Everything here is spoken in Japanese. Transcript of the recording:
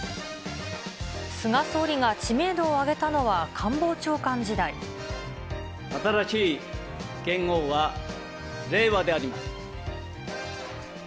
菅総理が知名度を上げたのは、新しい元号は令和であります。